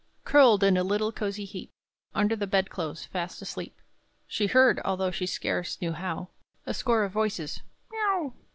Curled in a little cosy heap, Under the bed clothes, fast asleep, She heard, although she scarce knew how, A score of voices "_M e o w!